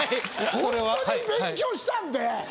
ほんとに勉強したんで。